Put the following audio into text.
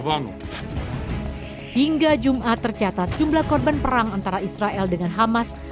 pada hari jumat jumlah penyerang perang antara israel dan hamas